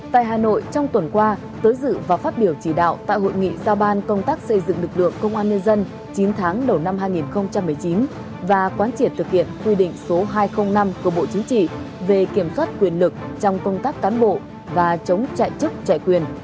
tại hà nội trong tuần qua tới dự và phát biểu chỉ đạo tại hội nghị giao ban công tác xây dựng lực lượng công an nhân dân chín tháng đầu năm hai nghìn một mươi chín và quán triệt thực hiện quy định số hai trăm linh năm của bộ chính trị về kiểm soát quyền lực trong công tác cán bộ và chống chạy chức chạy quyền